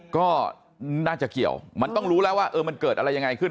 ก็น่าจะเกี่ยวมันต้องรู้แล้วว่ามันเกิดอะไรยังไงขึ้น